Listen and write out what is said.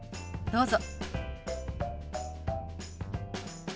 どうぞ。